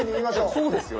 そうですよね。